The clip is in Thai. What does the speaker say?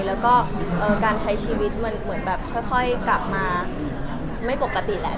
แล้วก็การใช้ชีวิตมันเหมือนแบบค่อยกลับมาไม่ปกติแหละ